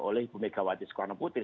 oleh ibu megawati soekarno putri